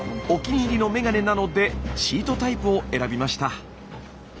お気に入りの眼鏡なのでシートタイプを選びました。